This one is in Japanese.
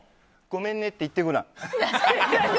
ごめんねって言ってごらん。